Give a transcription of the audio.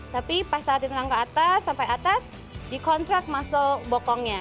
tapi pas saat ditendang ke atas sampai atas di contract muscle bokongnya